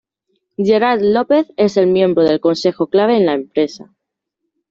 Gerard Lopez es el miembro del consejo clave en la empresa.